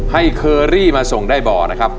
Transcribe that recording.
เคอรี่มาส่งได้บ่อนะครับ